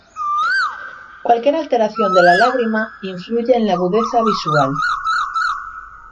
Cualquier alteración de la lágrima influye en la agudeza visual.